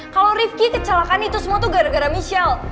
kalau rifki kecelakaan itu semua tuh gara gara michelle